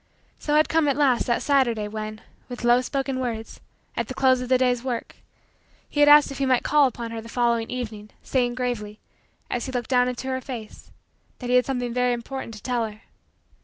So had come at last that Saturday when, with low spoken words, at the close of the day's work, he had asked if he might call upon her the following evening; saying gravely, as he looked down into her face, that he had something very important to tell her.